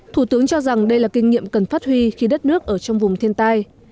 thủ tướng cho rằng đây là kinh nghiệm cần phát huy khi đất nước ở trong vùng thiên tai